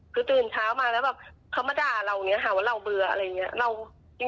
คือตื่นเช้ามาแล้วแบบเขามาด่าเราอย่างนี้ค่ะว่าเราเบื่ออะไรอย่างนี้